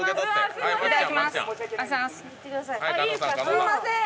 すみません。